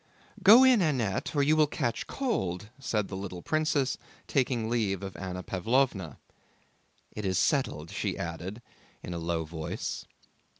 "Go in, Annette, or you will catch cold," said the little princess, taking leave of Anna Pávlovna. "It is settled," she added in a low voice.